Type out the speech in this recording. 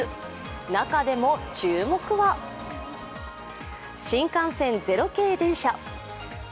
中でも注目は、新幹線０系電車。